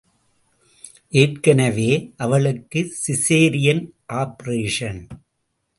ஏற்கனவே, அவளுக்கு caesarean operation.